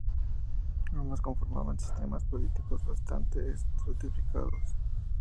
Ambas conformaban sistemas políticos bastante estratificados.